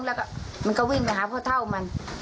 แล้วก็วิ่งไปหาพ่อเท่ามัน